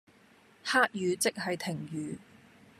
黑雨即係停雨